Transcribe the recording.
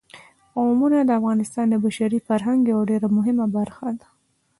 قومونه د افغانستان د بشري فرهنګ یوه ډېره مهمه برخه ده.